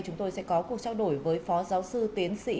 chúng tôi sẽ có cuộc trao đổi với phó giáo sư tiến sĩ